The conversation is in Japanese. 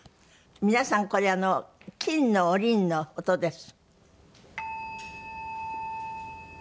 皆さんこれ金のおりんの音です。